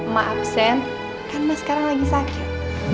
ma absen kan ma sekarang lagi sakit